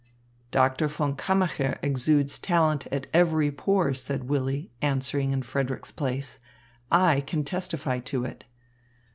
"Doctor von Kammacher exudes talent at every pore," said Willy, answering in Frederick's place. "I can testify to it."